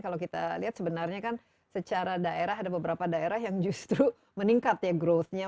kalau kita lihat sebenarnya kan secara daerah ada beberapa daerah yang justru meningkat ya growth nya